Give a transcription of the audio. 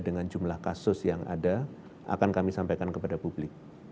dengan jumlah kasus yang ada akan kami sampaikan kepada publik